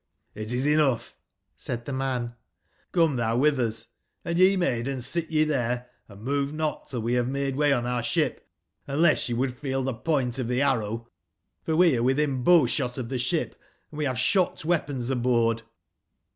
'It is enough,' said the man, 'come thou with us. Hnd ye maidens sit ye there, and move not till we have made way on our ship, unless ye would feel the point of the arrow, for we arc within bow shot of the ship, and we have shot/weapons aboard.'